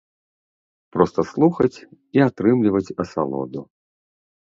Проста слухаць і атрымліваць асалоду.